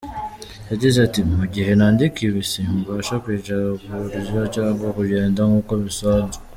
Yagize at “Mu gihe nandika ibi simbasha kwicara, kurya cyangwa kugenda nkuko bisanzwe.